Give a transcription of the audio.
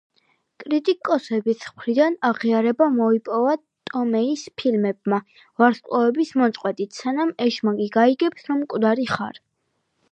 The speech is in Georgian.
კრიტიკოსების მხრიდან აღიარება მოიპოვა ტომეის ფილმებმა: „ვარსკვლავების მოწყვეტით“, „სანამ ეშმაკი გაიგებს, რომ მკვდარი ხარ“.